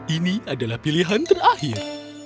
ini adalah pilihan terakhir